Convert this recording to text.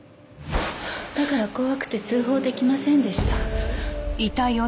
だから怖くて通報出来ませんでした。